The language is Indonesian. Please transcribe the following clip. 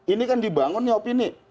ini kan dibangunnya opini